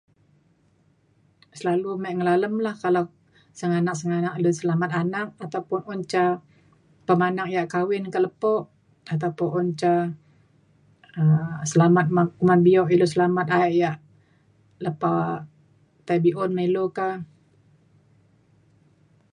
selalu me ngelalem lah kalau senganak senganak lu selamat anak ataupun un ca pemanak ia' kawin ka lepo atau pa un ca um selamat me- men bio ilu selamat ia' lepa tai be'un me ilu ka